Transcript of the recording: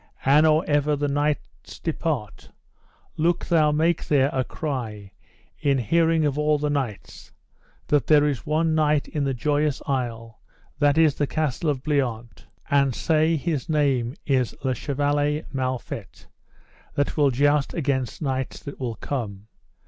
And or ever the knights depart, look thou make there a cry, in hearing of all the knights, that there is one knight in the Joyous Isle, that is the Castle of Bliant, and say his name is Le Chevaler Mal Fet, that will joust against knights that will come.